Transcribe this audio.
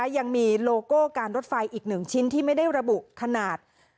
ยังมีโลโก้การรถไฟอีก๑ชิ้นที่ไม่ได้ระบุขนาด